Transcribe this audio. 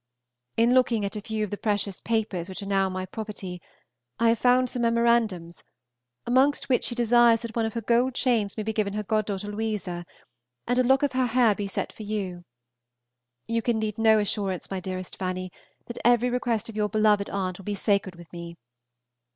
In looking at a few of the precious papers which are now my property I have found some memorandums, amongst which she desires that one of her gold chains may be given to her god daughter Louisa, and a lock of her hair be set for you. You can need no assurance, my dearest Fanny, that every request of your beloved aunt will be sacred with me.